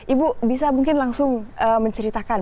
ibu bisa mungkin langsung menceritakan